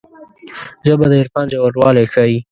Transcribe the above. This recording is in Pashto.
ژبه د عرفان ژوروالی ښيي